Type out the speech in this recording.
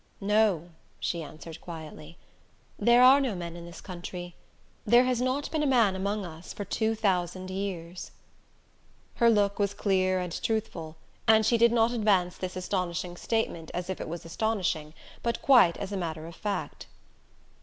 "No," she answered quietly. "There are no men in this country. There has not been a man among us for two thousand years." Her look was clear and truthful and she did not advance this astonishing statement as if it was astonishing, but quite as a matter of fact.